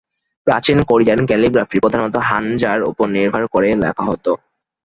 প্রাচীন Korean calligraphy প্রধানত হাঞ্জা-র ওপর নির্ভর করেই লেখা হত।